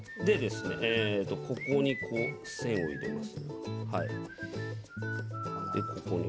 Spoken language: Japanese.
ここに線を入れます。